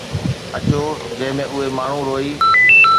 اچو، جنهن ۾ اهي ماڻهو روئي